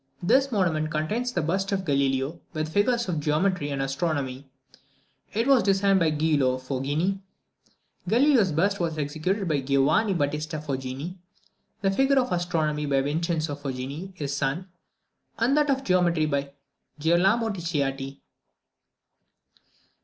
This monument contains the bust of Galileo, with figures of Geometry and Astronomy. It was designed by Giulio Foggini. Galileo's bust was executed by Giovanni Battista Foggini; the figure of Astronomy by Vincenzio Foggini, his son; and that of Geometry by Girolamo Ticciati.